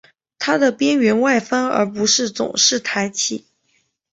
它的边缘外翻而不是总是抬起。